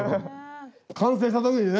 完成した時にね。